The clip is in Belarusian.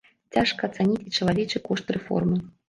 Цяжка ацаніць і чалавечы кошт рэформы.